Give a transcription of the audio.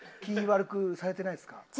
気ぃ悪くされてないですか？